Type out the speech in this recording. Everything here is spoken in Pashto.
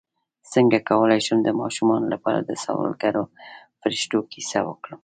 څنګه کولی شم د ماشومانو لپاره د سوالګرو فرښتو کیسه وکړم